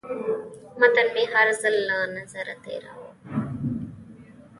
متن مې هر ځل له نظره تېراوه.